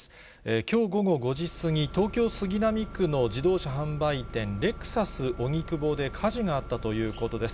きょう午後５時過ぎ、東京・杉並区の自動車販売店、レクサス荻窪で火事があったということです。